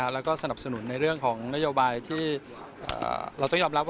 แล้วก็สนับสนุนในเรื่องของนโยบายที่เราต้องยอมรับว่า